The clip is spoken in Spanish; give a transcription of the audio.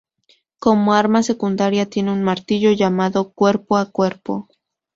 Como arma secundaria tiene un martillo llamado Cuerpo a Cuerpo.